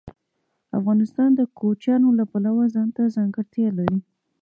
افغانستان د کوچیانو له پلوه ځانته ځانګړتیا لري.